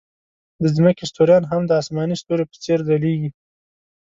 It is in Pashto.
د ځمکې ستوریان هم د آسماني ستوریو په څېر ځلېږي.